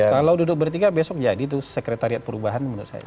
kalau duduk bertiga besok jadi itu sekretariat perubahan menurut saya